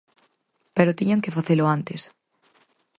Pero tiñan que facelo antes.